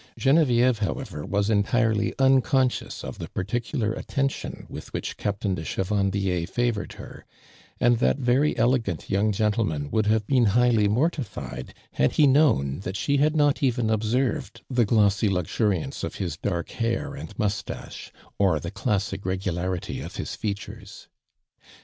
Genevieve, however, was entirely un conscious of the particular at tention with which Captain de Chevandier favored her, and that very elegant young gentleman would have been highly mortiKed had he knowTi that she had not even observed the glossy luxuriance of his dark hair and moustache, or the classic regularity of his i'eatures.